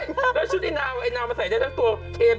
แล้วชุดไอ้นาวไอ้นาวมาใส่ในทั้งตัวเอง